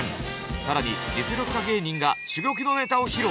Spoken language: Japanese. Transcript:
更に実力派芸人が珠玉のネタを披露。